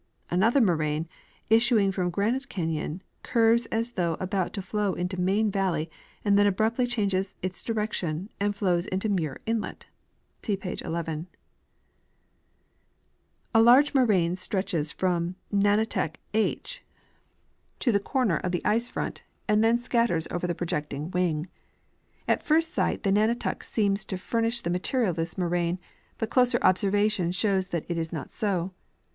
Another moraine, issuing from Granite canyon, curves as though about to flow into Main valley and then abruptly changes its direction and flows to Muir inlet (see plate 11). A large moraine stretches from nunatak // to the corner of the '34 II. F. Beid — Studies of 3Iwir Glacier. iee front and then scatters over the projecting wing. At first sight the nnnatak seems to furnish the material of this moraine, l3Ut closer observation shows that this is not so.